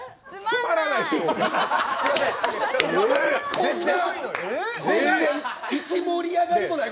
つまんない。